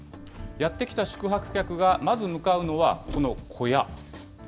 やって来た宿泊客がまず向かうのは、この小屋。